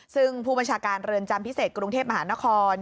ซึ่งผู้บัญชาการเรือนจำพิเศษกรุงเทพมหานคร